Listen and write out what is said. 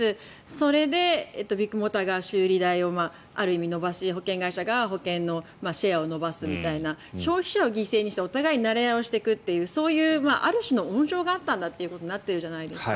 、それでビッグモーターが修理代をある意味伸ばし保険会社が保険のシェアを伸ばすみたいな消費者を犠牲にしてお互いなれ合いをしていくというそういうある種の温床があったんだということになっているじゃないですか。